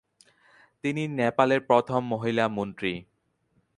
তিনি নেপালের প্রথম মহিলা মন্ত্রী।